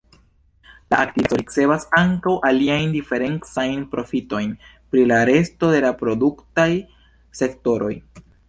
La aktiveco ricevas ankaŭ aliajn diferencajn profitojn pri la resto de la produktaj sektoroj.